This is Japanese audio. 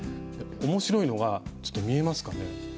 面白いのがちょっと見えますかね。